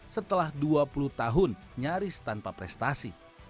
setelah dua puluh tahun nyaris tanpa prestasi